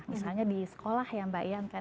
misalnya di sekolah ya mbak ian